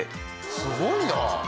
すごいな。